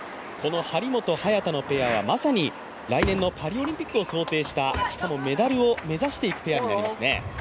張本、早田のペアはまさに来年のオリンピックしかもメダルを目指していくペアになりますね。